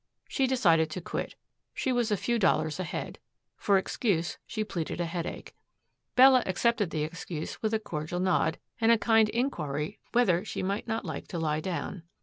She decided to quit. She was a few dollars ahead. For excuse she pleaded a headache. Bella accepted the excuse with a cordial nod and a kind inquiry whether she might not like to lie down.